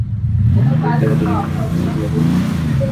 ব্যক্তিগত জীবনে মাসুদ বিবাহিত ও দুই সন্তানের জনক।